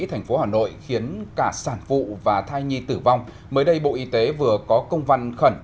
thành phố hà nội khiến cả sản phụ và thai nhi tử vong mới đây bộ y tế vừa có công văn khẩn